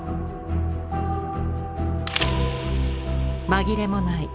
紛れもない